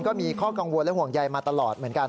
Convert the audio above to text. ก็มีข้อกังวลและห่วงใยมาตลอดเหมือนกัน